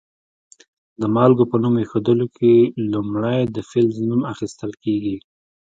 د مالګو په نوم ایښودلو کې لومړی د فلز نوم اخیستل کیږي.